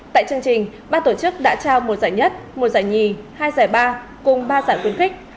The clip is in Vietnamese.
tại chương trình ba tổ chức đã trao một giải nhất một giải nhì hai giải ba cùng ba giải khuyến khích